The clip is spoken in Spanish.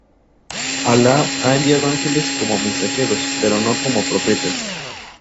Alá ha enviado ángeles como mensajeros, pero no como profetas.